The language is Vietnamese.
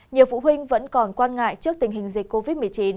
nhiều phụ huynh vẫn còn quan ngại trước tình hình dịch covid một mươi chín